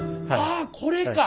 あこれか。